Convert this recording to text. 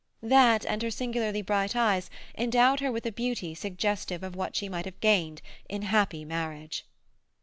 That and her singularly bright eyes endowed her with beauty suggestive of what she might have gained in happy marriage.